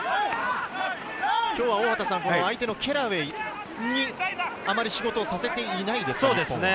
今日は相手のケラウェイにあまり仕事をさせていないですね。